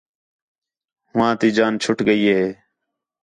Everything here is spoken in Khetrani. ہوآں تی جان چُھٹ ڳئی ہِے